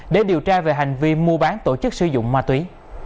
để điều tra về hành vi mua bán tổ chức sử dụng ma túy